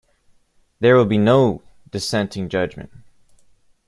There will be no dissenting judgment.